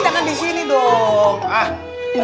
jangan di sini dong